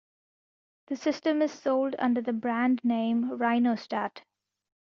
The system is sold under the brand name Rhinostat.